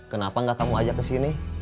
kenapa gak kamu ajak kesini